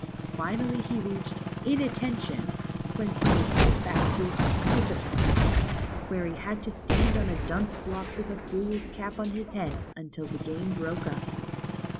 Finally he reached "Inattention," whence he was BEHIND THE WARDROBE. 79 sent back to Discipline/' where he had to stand on a dunce block with a fool's cap on his head, until the game broke up.